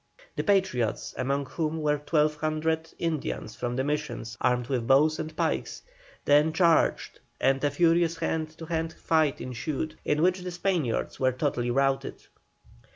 The Patriots, among whom were 1,200 Indians from the Missions, armed with bows and pikes, then charged, and a furious hand to hand fight ensued, in which the Spaniards were totally routed.